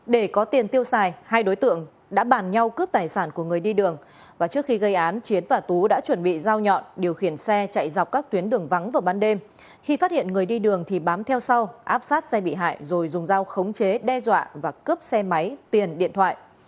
để có tiền tiêu xài hai đối tượng đã bàn nhau cướp tài sản của người đi đường và trước khi gây án chiến và tú đã chuẩn bị dao nhọn điều khiển xe chạy dọc các tuyến đường vắng vào ban đêm khi phát hiện người đi đường thì bám theo sau áp sát xe bị hại rồi dùng dao khống chế đe dọa và cướp xe máy tiền điện thoại